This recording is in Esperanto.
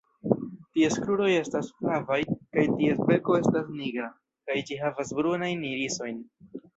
Ties kruroj estas flavaj, kaj ties beko estas nigra, kaj ĝi havas brunajn irisojn.